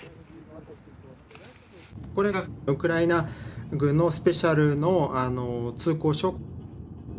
これがウクライナ軍のスペシャルの通行証。